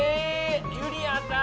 ゆりやんさん！